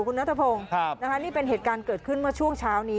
คุณนัทพงศ์นี่เป็นเหตุการณ์เกิดขึ้นเมื่อช่วงเช้านี้